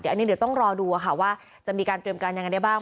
เดี๋ยวต้องรอดูว่าจะมีการเตรียมการอย่างไรบ้าง